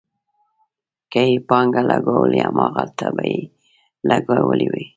که یې پانګه لګولې، هماغلته به یې لګولې وي.